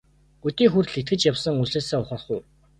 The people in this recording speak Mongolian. Өдий хүртэл итгэж явсан үзлээсээ ухрах уу?